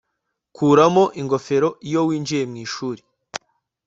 Kuramo ingofero iyo winjiye mwishuri